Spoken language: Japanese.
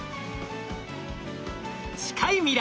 近い未来